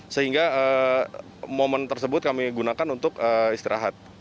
sehingga momen tersebut kami gunakan untuk istirahat